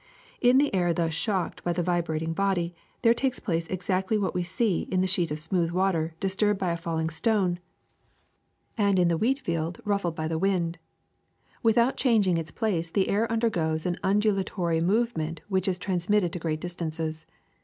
*^In the air thus shocked by the vibrating body there takes place exactly what we see in the sheet of smooth water disturbed by a falling stone and in the SOUND 369 wheat field ruffled by the wind. Without changing its place the air undergoes an undulatory movement which is transmitted to great distances.